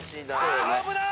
危ない！